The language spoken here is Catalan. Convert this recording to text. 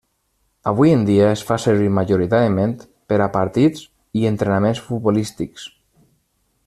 Avui en dia es fa servir majoritàriament per a partits i entrenaments futbolístics.